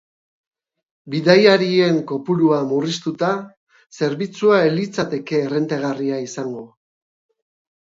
Bidaiarien kopurua murriztuta, zerbitzua ez litzateke errentagarria izango.